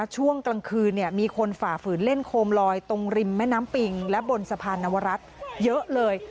ช่วงกลางคืนมีคนฝ่าฝืนเล่นโคมลอยตรงริมแม่น้ำปิงและบนสะพานนวรัฐเยอะเลย